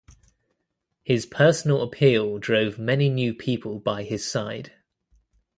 His personal appeal drove many new people by his side.